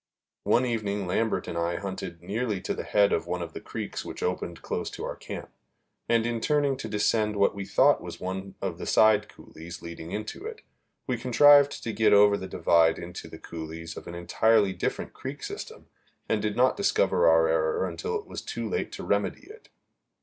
One evening Lambert and I hunted nearly to the head of one of the creeks which opened close to our camp, and, in turning to descend what we thought was one of the side coulees leading into it, we contrived to get over the divide into the coulees of an entirely different creek system, and did not discover our error until it was too late to remedy it.